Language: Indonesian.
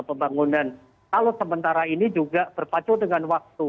kebangunan talus sementara ini juga berpacu dengan waktu